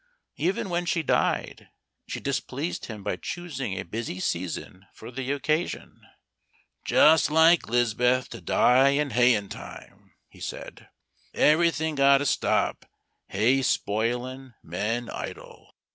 Even when she died she displeased him by choosing a busy season for the occasion. "Just like 'Liz'beth, to die in hayin' time," he said. "Everything got to stop hay spoilin' men idle.